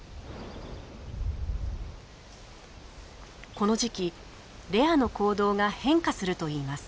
この時期レアの行動が変化するといいます。